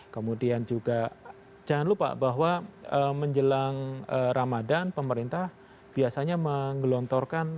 kemudian juga jangan lupa bahwa menjelang ramadhan pemerintah biasanya menggelontorkan